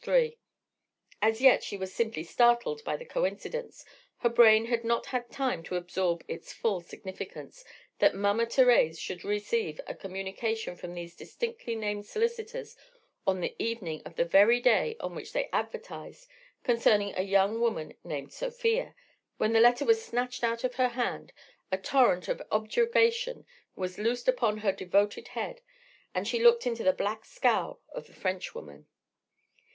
3._ As yet she was simply startled by the coincidence, her brain had not had time to absorb its full significance—that Mama Thérèse should receive a communication from these distinctively named solicitors on the evening of the very day on which they advertised concerning a young woman named Sofia!—when the letter was snatched out of her hand, a torrent of objurgation was loosed upon her devoted head, and she looked into the black scowl of the Frenchwoman.